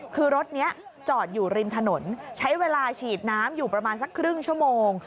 คือรถนี้จอดอยู่ริมถนนใช้เวลาฉีดน้ำอยู่ประมาณสักครึ่งชั่วโมง